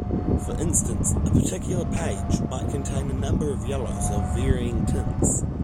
For instance, a particular "page" might contain a number of yellows of varying tints.